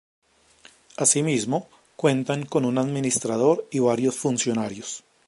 Asimismo, cuentan con un Administrador y varios funcionarios.